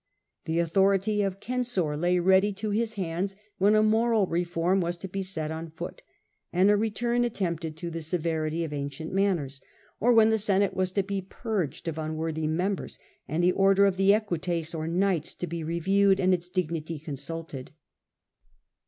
The authority of censor lay ready to his hands when a moral reform was to be set ' on foot, and a return attempted to the severity of ancient manners, or when the Senate was to be purged of unworthy members and the order of the eqnites or knights to be reviewed and its dignity consulted.